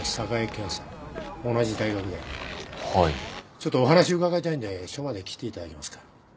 ちょっとお話伺いたいんで署まで来ていただけますか？